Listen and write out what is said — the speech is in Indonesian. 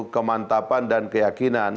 kemantapan dan keyakinan